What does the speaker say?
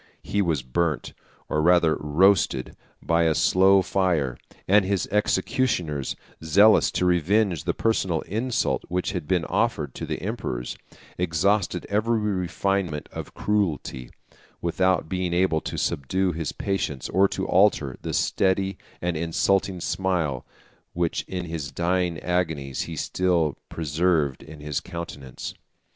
He was burnt, or rather roasted, by a slow fire; and his executioners, zealous to revenge the personal insult which had been offered to the emperors, exhausted every refinement of cruelty, without being able to subdue his patience, or to alter the steady and insulting smile which in his dying agonies he still preserved in his countenance.